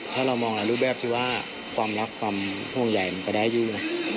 ถ้าเรามองในรูปแบบที่ว่าความรักความห่วงใหญ่มันก็ได้อยู่